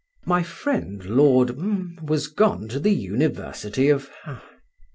My friend Lord —— was gone to the University of ——.